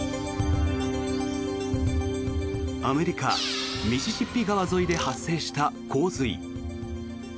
アメリカ・ミシシッピ川沿いで発生した洪水。